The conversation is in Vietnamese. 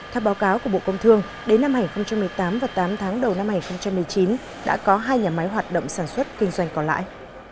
theo báo cáo của bộ công thương đến năm hai nghìn một mươi tám và tám tháng đầu năm hai nghìn một mươi chín đã có hai nhà máy hoạt động sản xuất kinh doanh còn lại